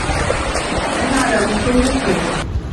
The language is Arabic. كأن على رءوسهم الطير